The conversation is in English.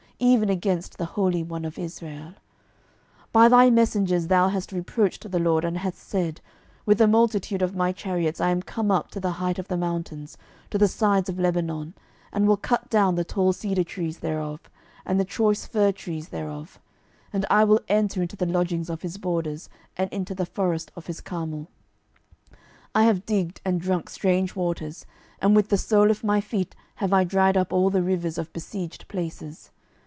even against the Holy One of Israel. 12:019:023 By thy messengers thou hast reproached the LORD, and hast said, With the multitude of my chariots I am come up to the height of the mountains, to the sides of Lebanon, and will cut down the tall cedar trees thereof, and the choice fir trees thereof: and I will enter into the lodgings of his borders, and into the forest of his Carmel. 12:019:024 I have digged and drunk strange waters, and with the sole of my feet have I dried up all the rivers of besieged places.